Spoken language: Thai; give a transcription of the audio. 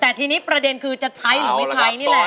แต่ทีนี้ประเด็นคือจะใช้หรือไม่ใช้นี่แหละ